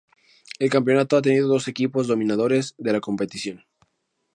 El campeonato ha tenido dos equipos dominadores de la competición.